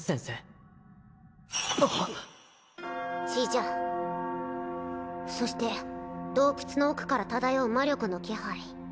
血じゃそして洞窟の奥から漂う魔力の気配